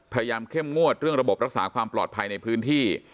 เข้มงวดเรื่องระบบรักษาความปลอดภัยในพื้นที่